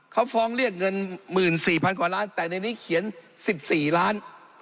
เขาฟ้องเรียกเงิน๑๔๐๐กว่าล้านแต่ในนี้เขียน๑๔ล้าน